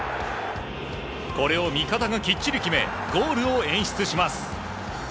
これを味方がきっちり決め、ゴールを演出します。